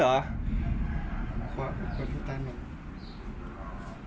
น้ำตาลหน่อย